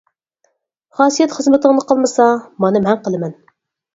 خاسىيەت خىزمىتىڭنى قىلمىسا، مانا مەن قىلىمەن.